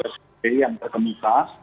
survei yang terkemuka